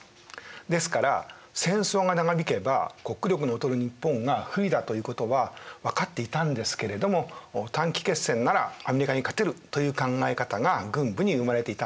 ですから戦争が長引けば国力の劣る日本が不利だということは分かっていたんですけれどもという考え方が軍部に生まれていたんです。